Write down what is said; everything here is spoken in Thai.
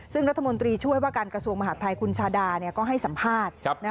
ซึ่งรัฐมนตรีช่วยว่าการกระทรวงมหาดไทยคุณชาดาก็ให้สัมภาษณ์